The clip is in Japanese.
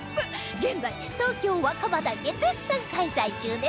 現在東京若葉台で絶賛開催中です